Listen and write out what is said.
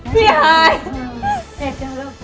พี่ฮายเผ็ดจริงหรือลูก